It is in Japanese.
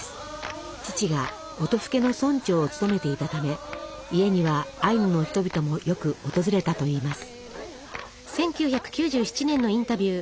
父が音更の村長を務めていたため家にはアイヌの人々もよく訪れたといいます。